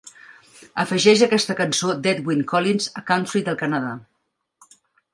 Afegeix aquesta cançó d'Edwyn Collins a Country del Canadà.